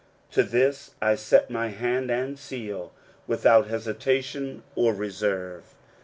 To THIS I SET MY HAND AND SEAL, without hesitation or reserve.